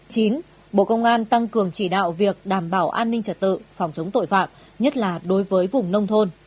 chín bộ công an tăng cường chỉ đạo việc đảm bảo an ninh trật tự phòng chống tội phạm nhất là đối với vùng nông thôn